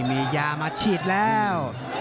มียามาฉีดแล้ว